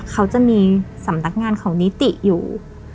เขาจะมีสำนักงานของนิติอยู่